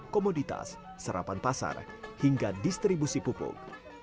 komoditas serapan pasar hingga distribusi pupuk